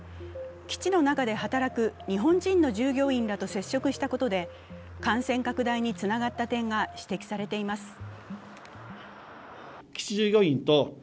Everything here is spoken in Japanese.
基地の中で働く日本人の従業員らと接触したことで感染拡大につながった点が指摘されています。